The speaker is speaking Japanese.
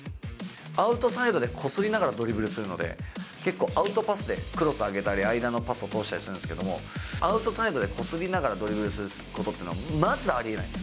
アウトサイドでこすりながらドリブルするので、結構、アウトパスでクロス上げたり、間のパスを通したりするんですけど、アウトサイドでこすりながらドリブルすることっていう、まずありえないです。